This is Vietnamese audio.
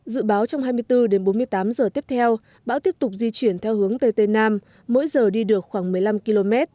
dự báo trong hai mươi bốn đến bốn mươi tám giờ tiếp theo bão tiếp tục di chuyển theo hướng tây tây nam mỗi giờ đi được khoảng một mươi năm km